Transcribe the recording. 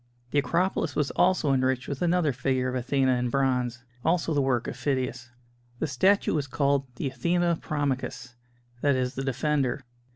The Acropolis was also enriched with another figure of Athena in bronze also the work of Phidias. The statue was called the "Athena Promachus"; that is "The Defender."